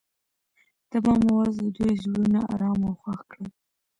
د بام اواز د دوی زړونه ارامه او خوښ کړل.